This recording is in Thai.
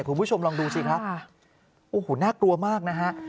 คุณผู้ชมลองดูสิครับโอ้โหน่ากลัวมากนะฮะ